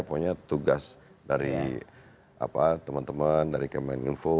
pokoknya tugas dari teman teman dari kemeninfo